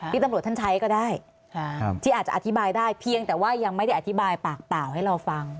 ที่ตำรวจท่านใช้ก็ได้ที่อาจจะอธิบายได้เพียงแต่ว่ายังไม่ได้อธิบายปากเปล่าให้เราฟัง